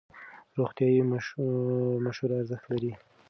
روغتیایي مشوره ارزښت لري.